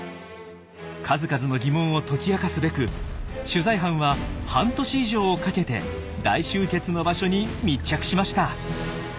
数々の疑問を解き明かすべく取材班は半年以上をかけて大集結の場所に密着しました。